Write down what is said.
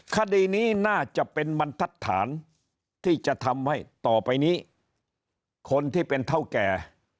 คดีนี้น่าจะเป็นบรรทัศนที่จะทำให้ต่อไปนี้คนที่เป็นเท่าแก่